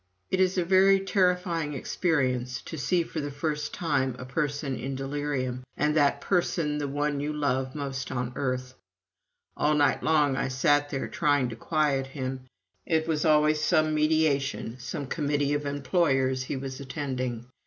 It is a very terrifying experience to see for the first time a person in a delirium, and that person the one you love most on earth. All night long I sat there trying to quiet him it was always some mediation, some committee of employers he was attending.